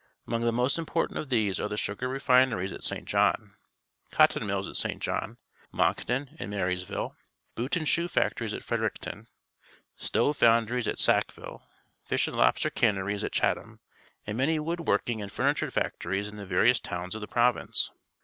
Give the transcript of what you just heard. Among the most important of these are the sugar refineries at Saint John ; cotton mills at Sa int Joh n, Moncto n, and Marysi 'iUe : boot and sh oe factories at Fred _enctnn; sl(i\ (^ fnundrics at Sii< l:riUr: fisli and lobster canneries at (,'liatliam; an(i many wood working and furniture factories in the various towns of the province.